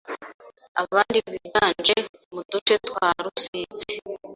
abandi biganje mu duce twa Rusizi